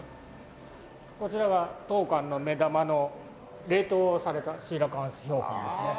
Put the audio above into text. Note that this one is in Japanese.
こちらは当館の目玉の冷凍されたシーラカンス標本ですね。